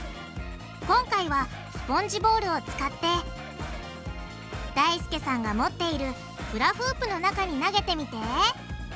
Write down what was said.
今回はスポンジボールを使ってだいすけさんが持っているフラフープの中に投げてみて！